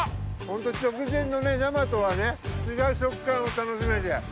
ホント直前のね生とはね違う食感を楽しめて。